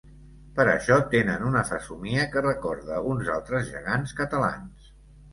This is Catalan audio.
Per això tenen una fesomia que recorda uns altres gegants catalans.